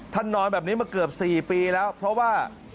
นอนแบบนี้มาเกือบ๔ปีแล้วเพราะว่า